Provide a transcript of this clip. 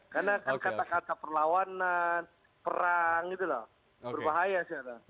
karena kata kata perlawanan perang itu loh berbahaya sih